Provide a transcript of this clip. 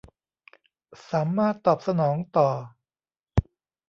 สามารถตอบสนองต่อ